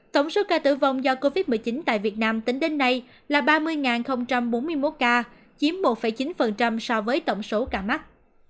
tổng số ca tử vong do covid một mươi chín tại việt nam tính đến nay là ba mươi bốn mươi một ca chiếm một chín so với tổng số ca mắc